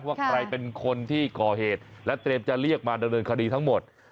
ว่าใครเป็นคนที่ก่อเหตุและเตรียมจะเรียกมาดำเนินคดีทั้งหมด